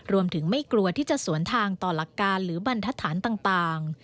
ไม่กลัวที่จะสวนทางต่อหลักการหรือบรรทฐานต่าง